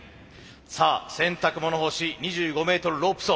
さあ洗濯物干し２５ｍロープ走